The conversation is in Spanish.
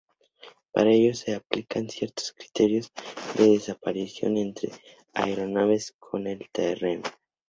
Para ello, se aplican ciertos criterios de separación entre aeronaves con el terreno.